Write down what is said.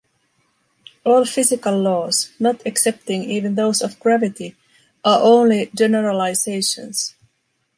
All physical laws, not excepting even those of gravity, are only generalizations.